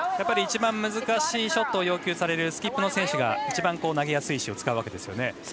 一番難しいショットを要求されるスキップの選手が一番投げやすい石を使うわけですよね。